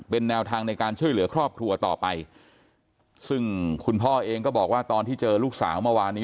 เป็นแนวทางในการช่วยเหลือครอบครัวต่อไปซึ่งคุณพ่อเองก็บอกว่าตอนที่เจอลูกสาวเมื่อวานนี้